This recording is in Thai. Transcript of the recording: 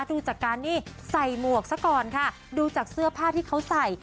ดูจากการนี่ใส่หมวกซะก่อนค่ะดูจากเสื้อผ้าที่เขาใส่